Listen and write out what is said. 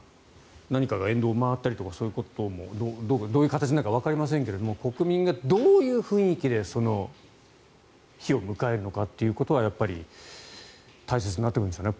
何かが沿道を回ったりとかどういう形になるかわかりませんが国民がどういう雰囲気でその日を迎えるのかということはやっぱり大切になってくるんでしょうね